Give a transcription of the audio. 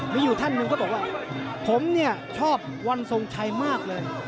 มีอยู่ท่านหนึ่งเขาบอกว่าผมเนี่ยชอบวันทรงชัยมากเลย